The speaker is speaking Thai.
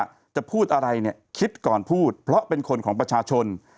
จะพูดอะไรเนี่ยคิดก่อนพูดเพราะเป็นคนของประชาชน